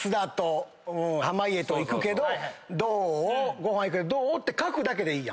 「ご飯行くけどどう？」って書くだけでいい。